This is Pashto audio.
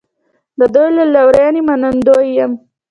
د دوی له لورینې منندوی یم.